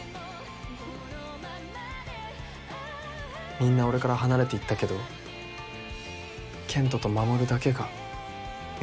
みんな俺から離れていったけど健人と守だけが一緒にいてくれた。